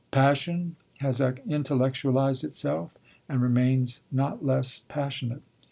Passion has intellectualised itself, and remains not less passionate.